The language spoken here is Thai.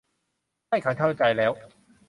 ใช่ ฉันเข้าใจแล้ว